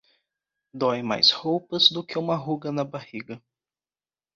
Dói mais roupas do que uma ruga na barriga.